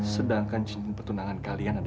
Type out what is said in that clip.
sedangkan cincin pertunangan kalian ada di sini